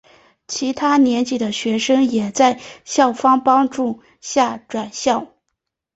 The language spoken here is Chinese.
其他年级的学生也在校方帮助下转校。